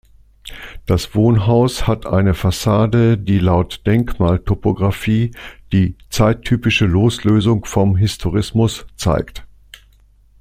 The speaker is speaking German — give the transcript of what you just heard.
Das Wohnhaus hat eine Fassade, die laut Denkmaltopographie die „zeittypische Loslösung vom Historismus“ zeigt.